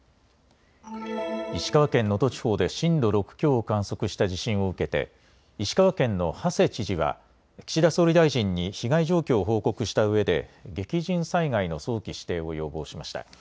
石川県能登地方で震度６強を観測した地震を受けて石川県の馳知事は岸田総理大臣に被害状況を報告したうえで激甚災害の早期指定を要望しました。